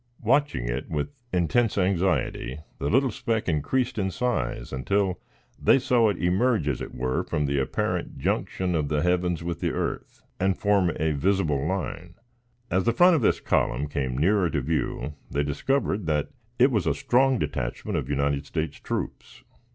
Watching it with intense anxiety, the little speck increased in size until they saw it emerge, as it were, from the apparent junction of the heavens with the earth, and form a visible line; as the front of this column came nearer to view, they discovered that it was a strong detachment of United States troops.